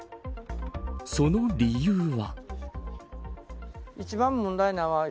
その理由は。